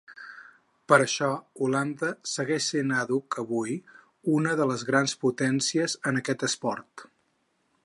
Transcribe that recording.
Per això Holanda segueix sent àdhuc avui una de les grans potències en aquest esport.